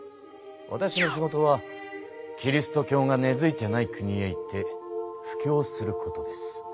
わたしの仕事はキリスト教が根づいていない国へ行って布教することです。